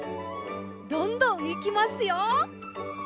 どんどんいきますよ。